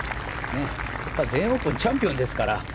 全英オープンのチャンピオンですから。